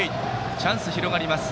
チャンスが広がります